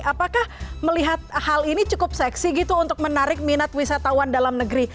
apakah melihat hal ini cukup seksi gitu untuk menarik minat wisatawan dalam negeri